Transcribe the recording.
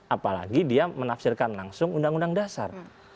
apalagi dia menafsirkan langsung undang undang dasar